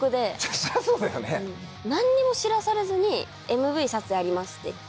何にも知らされずに「ＭＶ撮影あります」って行って。